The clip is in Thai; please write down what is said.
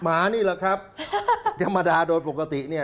หมานี่แหละครับธรรมดาโดยปกติเนี่ย